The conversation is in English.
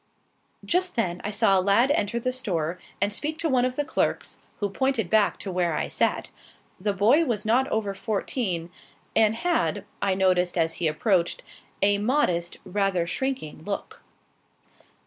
Just then I saw a lad enter the store and speak to one of the clerks, who pointed back to where I sat. The boy was not over fourteen, and had, I noticed as he approached, a modest, rather shrinking look.